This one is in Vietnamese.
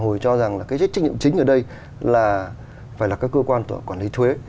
hồi cho rằng là cái trách nhiệm chính ở đây là phải là các cơ quan quản lý thuế